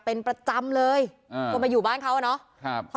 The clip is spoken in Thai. เป็นประจำเลยอ่าก็มาอยู่บ้านเขาอ่ะเนาะ